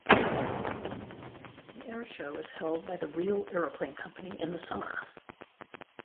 An airshow is held by the Real Aeroplane Company in the summer.